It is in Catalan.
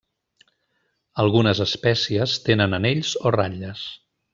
Algunes espècies tenen anells o ratlles.